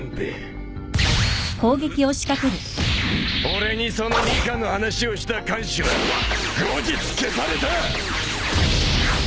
俺にそのニカの話をした看守は後日消された！